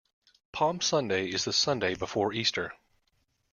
Palm Sunday is the Sunday before Easter.